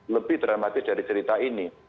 lebih dramatis dari cerita ini